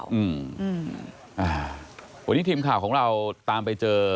อืมอ่าวันนี้ทีมข่าวของเราตามไปเจอ